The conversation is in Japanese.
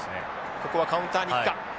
ここはカウンターにいくか。